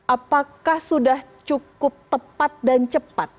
apakah sudah cukup tepat dan cepat